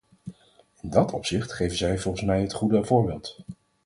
In dat opzicht geven zij volgens mij het goede voorbeeld.